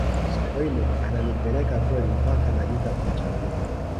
sokoine ananipeleka kweli mpaka najuta kumchagua